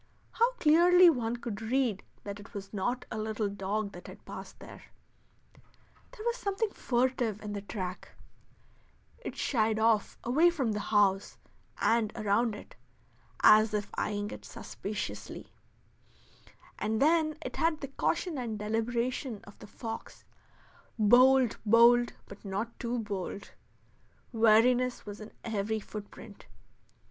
How clearly one could read that it was not a little dog that had passed there. There was something furtive in the track; it shied off away from the house and around it, as if eying it suspiciously; and then it had the caution and deliberation of the fox bold, bold, but not too bold; wariness was in every footprint.